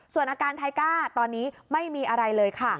ส่วนอาการไทก้าตอนนี้ไม่มีอะไรเลยค่ะ